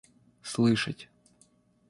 слышать